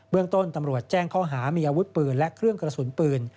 เรื่องต้นตำรวจแจ้งข้อหามีอาวุธปืนและเครื่องกระสุนปืน